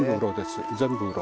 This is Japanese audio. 全部うろ。